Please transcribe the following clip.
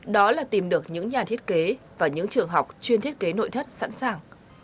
đó là tìm được những nhà thiết kế và những trường học chuyên thiết kế nội thất sẵn sàng